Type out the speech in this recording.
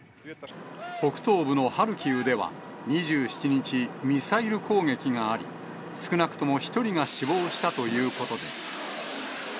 北東部のハルキウでは、２７日、ミサイル攻撃があり、少なくとも１人が死亡したということです。